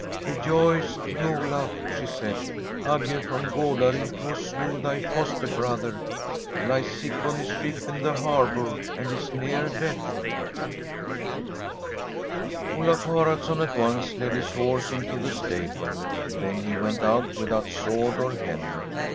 ' Rejoice, King Olaf !' she said. ' Agge from Gardarike, who slew thy foster brother, lies sick on his ship in the harbour and is near death/ Olaf Haraldsson at once led his horse into the stable; then he went out without sword or helmet.